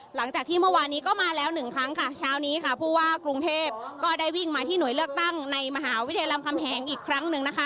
หลังจากที่เมื่อวานนี้ก็มาแล้วหนึ่งครั้งค่ะเช้านี้ค่ะผู้ว่ากรุงเทพก็ได้วิ่งมาที่หน่วยเลือกตั้งในมหาวิทยาลำคำแหงอีกครั้งหนึ่งนะคะ